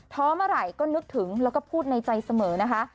เมื่อไหร่ก็นึกถึงแล้วก็พูดในใจเสมอนะคะ